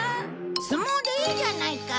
相撲でいいじゃないか。